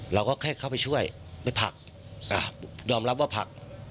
เราก็แค่เข้าไปช่วยไปผักยอมรับว่าผัก